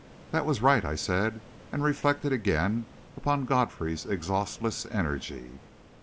"That was right," I said, and reflected again upon Godfrey's exhaustless energy.